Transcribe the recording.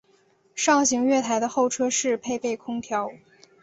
上行月台的候车室配备空调。